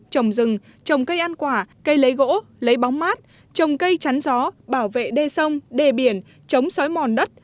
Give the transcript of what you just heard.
trồng rừng trồng cây ăn quả cây lấy gỗ lấy bóng mát trồng cây chắn gió bảo vệ đê sông đê biển chống xói mòn đất